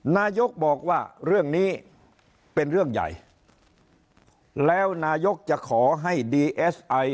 นายกบอกว่าเรื่องนี้เป็นเรื่องใหญ่แล้วนายกจะขอให้ดีเอสไอ